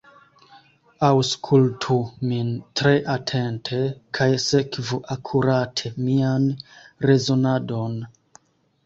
Aŭskultu min tre atente, kaj sekvu akurate mian rezonadon.